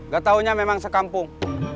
gak taunya memang sekampung